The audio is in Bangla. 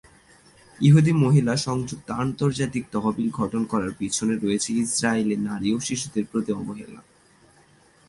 ইহুদি মহিলা সংযুক্ত আন্তর্জাতিক তহবিল গঠন করার পিছনে রয়েছে ইসরাইলে নারী ও শিশুদের প্রতি অবহেলা।